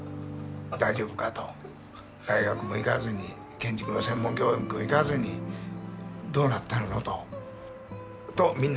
大学も行かずに建築の専門教育も行かずにどうなってるのと。とみんなが言ってました。